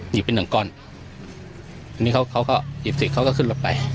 หยิบเป็นหนึ่งก้อนทีนี้เขาเขาเขาหยิบสิเขาก็ขึ้นลงไป